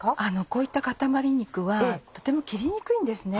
こういった塊肉はとても切りにくいんですね。